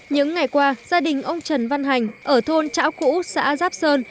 những ngày qua gia đình ông trần văn hành ở thôn trão cũ xã giáp sơn